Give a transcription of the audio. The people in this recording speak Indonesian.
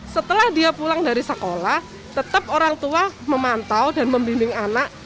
setelah dia pulang dari sekolah tetap orang tua memantau dan membimbing anak